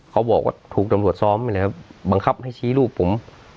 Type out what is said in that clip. เขาบอกว่าถูกตำรวจซ้อมไปแล้วบังคับให้ชี้ลูกผม